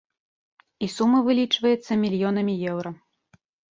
І сума вылічваецца мільёнамі еўра.